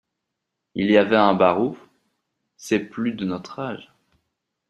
il y avait un barouf, c’est plus de notre âge.